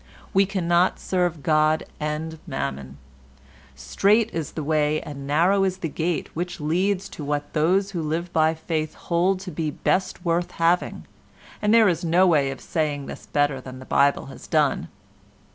We cannot serve God and Mammon; strait is the way and narrow is the gate which leads to what those who live by faith hold to be best worth having, and there is no way of saying this better than the Bible has done.